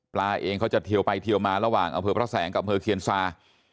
ปลาเองเขาจะเทียวไปเทียวมาระหว่างอพแสงกับอเทียนซา